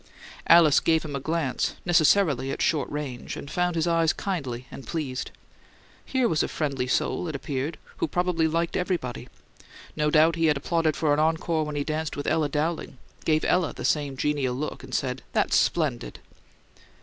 Alice gave him a glance, necessarily at short range, and found his eyes kindly and pleased. Here was a friendly soul, it appeared, who probably "liked everybody." No doubt he had applauded for an "encore" when he danced with Ella Dowling, gave Ella the same genial look, and said, "That's splendid!"